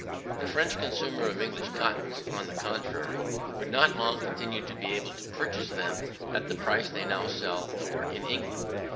The French consumer of English cottons, on the contrary, would not long continue to be able to purchase them at the price they now sell for in England.